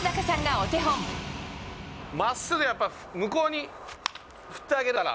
まっすぐやっぱり、向こうに振ってあげたら。